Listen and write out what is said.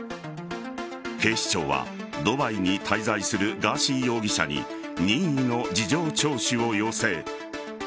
警視庁はドバイに滞在するガーシー容疑者に任意の事情聴取を要請。